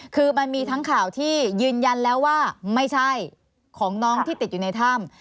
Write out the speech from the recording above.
คือมันมีทั้งข่าวที่ยืนยันแล้วว่าไม่ใช่ของน้องที่ติดอยู่ในถ้ำ